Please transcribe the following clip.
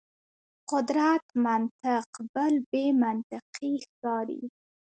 قدرت منطق بل بې منطقي ښکاري.